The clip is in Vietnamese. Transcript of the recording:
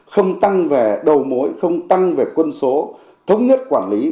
không tăng về đầu mối không tăng về quân số thống nhất quản lý